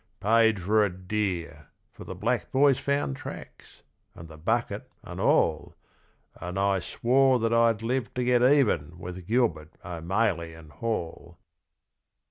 Paid for it dear, for the black boys found tracks, and the bucket, and all, And I swore that I'd live to get even with Gilbert, O'Maley and Hall.